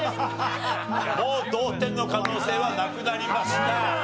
もう同点の可能性はなくなりました。